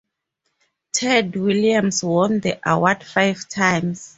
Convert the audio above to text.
Ted Williams won the award five times.